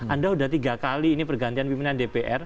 anda sudah tiga kali ini pergantian pimpinan dpr